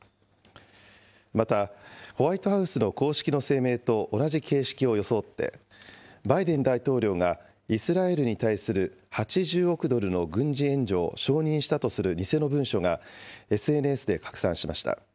また、ホワイトハウスの公式の声明と同じ形式を装って、バイデン大統領が、イスラエルに対する８０億ドルの軍事援助を承認したとする偽の文書が、ＳＮＳで拡散しました。